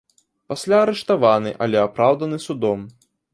Пасля арыштаваны, але апраўданы судом.